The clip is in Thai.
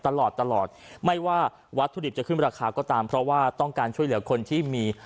ตลอดตลอดไม่ว่าวัตถุดิบจะขึ้นราคาก็ตามเพราะว่าต้องการช่วยเหลือคนที่มี